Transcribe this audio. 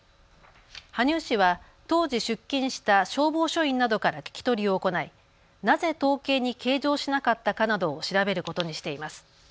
羽生市は当時出勤した消防署員などから聞き取りを行いなぜ統計に計上しなかったかなどを調べることにしています。